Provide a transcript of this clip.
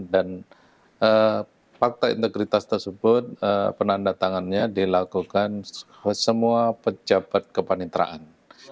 dan fakta integritas tersebut penanda tangannya dilakukan semua pejabat kepaniteraan